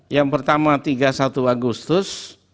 yang pertama tiga puluh satu agustus